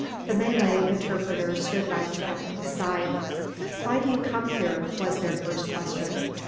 The Malay interpreter stood by the captain's side. "Why do you come here?" was their first question.